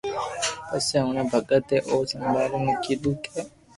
پسو اوڻي ڀگت اي او سپايو ني ڪيدو ڪي